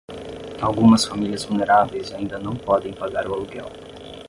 Algumas famílias vulneráveis ainda não podem pagar o aluguel